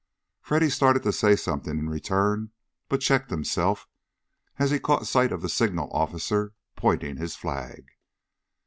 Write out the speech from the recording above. Freddy started to say something in return but checked himself as he caught sight of the signal officer pointing his flag.